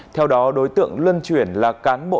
theo đó đối tượng luân chuyển là cán bộ